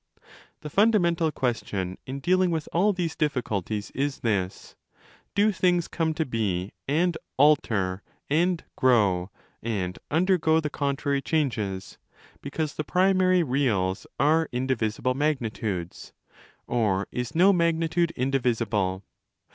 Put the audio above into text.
25 The fundamental question, in dealing with all these diffi culties, is this: 'Do things come to be and "alter" and grow, and undergo the contrary changes, because the primary "reals" are indivisible magnitudes? Or isno mag nitude indivisible?